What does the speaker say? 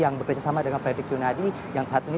yang bekerjasama dengan fredrik yunadi yang saat ini